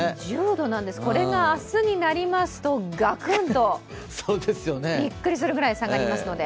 １０度なんです、これが明日になりますとガクンとびっくりするぐらい下がりますので。